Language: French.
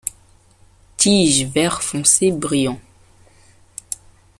Tige vert foncé brillant.